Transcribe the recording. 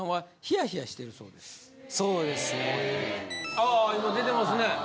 ああ今出てますね。